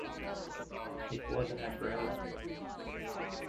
It was an umbrella.